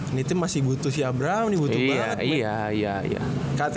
ini tim masih butuh si abraham nih butuh banget